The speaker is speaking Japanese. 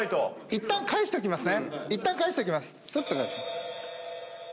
いったん返しときます。